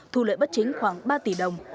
thu lợi bất chính khoảng ba tỷ đồng